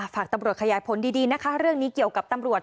ฝากตำรวจขยายผลดีนะคะเรื่องนี้เกี่ยวกับตำรวจ